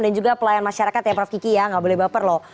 dan juga pelayan masyarakat ya prof kiki ya nggak boleh baper loh